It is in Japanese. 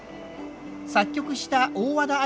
作曲した大和田愛